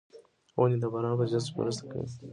ونې د باران په جذب کې مرسته کوي.